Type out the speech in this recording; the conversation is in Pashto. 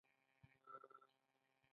چاکلېټ د ښو خاطرو بوی لري.